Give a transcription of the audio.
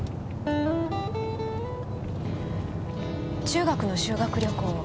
中学の修学旅行